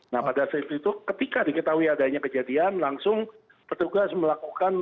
nah pada saat itu ketika diketahui adanya kejadian langsung petugas melakukan